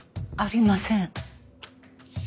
ありません。